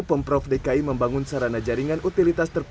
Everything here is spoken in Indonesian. pemprov dki membangun sarana jaringan utilitas tersebut